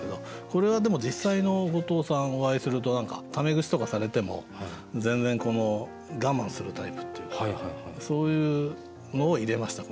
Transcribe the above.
これはでも実際の後藤さんお会いするとタメ口とかされても全然我慢するタイプっていうかそういうのを入れました